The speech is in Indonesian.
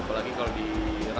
apalagi kalau di rush hour ya